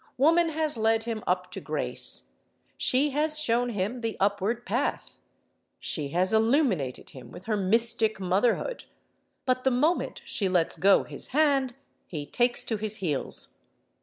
Woman has led him up to grace, she has shown him the Upward Path, she has illuminated him with her Mystic Motherhood—but the moment she lets go his hand he takes to his heels.